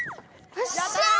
よっしゃあ！